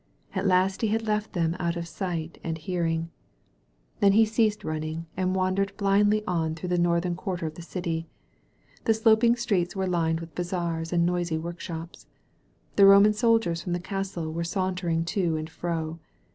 At last he had left them out of sight ^nd hearing. Then he ceased running and wandered blindly on through the northern quarter of the city. The sloping streets were lined with bazaars and noisy workshops. The Roman soldiers from the castle were sauntering to and fro.